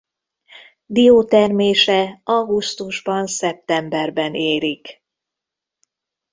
Diótermése augusztusban–szeptemberben érik.